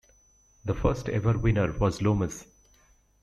The first ever winner was Lomas.